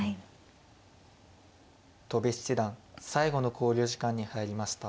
戸辺七段最後の考慮時間に入りました。